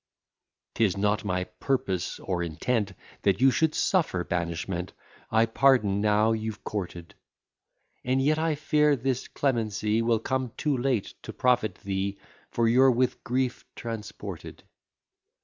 'Tis not my purpose or intent That you should suffer banishment; I pardon, now you've courted; And yet I fear this clemency Will come too late to profit thee, For you're with grief transported.